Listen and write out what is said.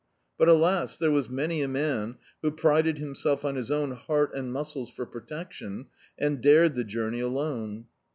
But alas! there was many a man who prided himself on his own heart and muscles for protection and dared the joumey alone.